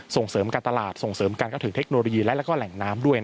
ส่งเสริมการตลาดส่งเสริมการเข้าถึงเทคโนโลยีและแหล่งน้ำด้วย